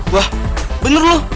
wah bener lu